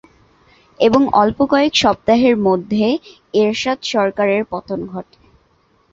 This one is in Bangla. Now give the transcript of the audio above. এবং অল্প কয়েক সপ্তাহের মধ্যে এরশাদ সরকারের পতন ঘটে।